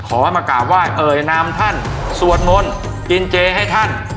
มากราบไหว้เอ่ยนามท่านสวดมนต์กินเจให้ท่าน